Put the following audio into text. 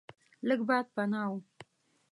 لږ باد پناه و.